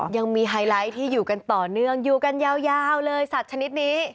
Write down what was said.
ไฮไลท์ที่อยู่กันต่อเนื่องอยู่กันยาวเลยสัตว์ชนิดนี้